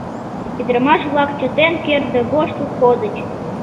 Ӱдырамаш-влак чытен кертде воштыл кодыч.